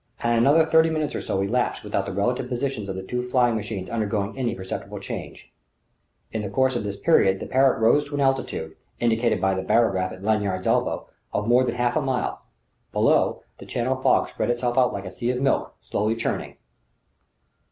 And another thirty minutes or go elapsed without the relative positions of the two flying machines undergoing any perceptible change. In the course of this period the Parrott rose to an altitude, indicated by the barograph at Lanyard's elbow, of more than half a mile. Below, the Channel fog spread itself out like a sea of milk, slowly churning.